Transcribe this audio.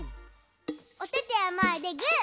おててはまえでグー！